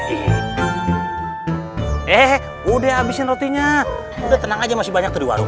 eh udah abisin rotinya udah tenang aja masih banyak teriwarung